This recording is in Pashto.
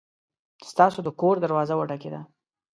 ستاسو د کور دروازه وټکېده!